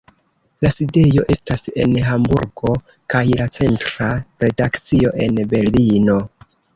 La sidejo estas en Hamburgo, kaj la centra redakcio en Berlino.